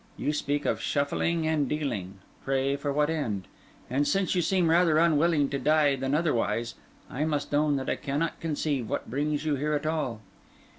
You speak of shuffling and dealing; pray for what end? And since you seem rather unwilling to die than otherwise, I must own that I cannot conceive what brings you here at all."